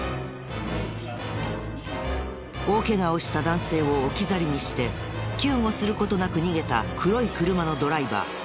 大ケガをした男性を置き去りにして救護する事なく逃げた黒い車のドライバー。